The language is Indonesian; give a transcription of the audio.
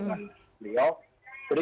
kami juga sempat ketemu dengan pak asyul